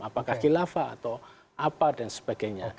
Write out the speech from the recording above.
apakah kilafah atau apa dan sebagainya